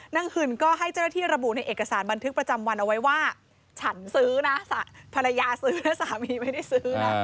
หึ่นก็ให้เจ้าหน้าที่ระบุในเอกสารบันทึกประจำวันเอาไว้ว่าฉันซื้อนะภรรยาซื้อนะสามีไม่ได้ซื้อนะ